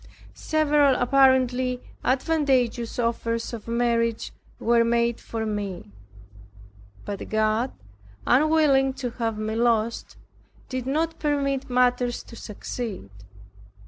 Several apparently advantageous offers of marriage were made for me; but God unwilling to have me lost did not permit matters to succeed.